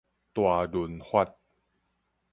大潤發